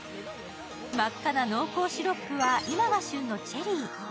真っ赤な濃厚シロップは今が旬のチェリー。